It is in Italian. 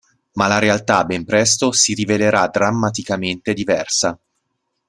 Ma la realtà, ben presto, si rivelerà drammaticamente diversa.